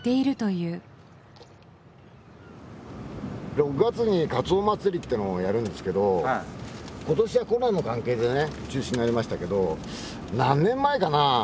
６月にカツオまつりってのをやるんですけど今年はコロナの関係でね中止になりましたけど何年前かな。